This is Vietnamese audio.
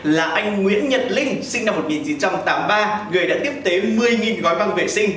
là anh nguyễn nhật linh sinh năm một nghìn chín trăm tám mươi ba người đã tiếp tế một mươi gói băng vệ sinh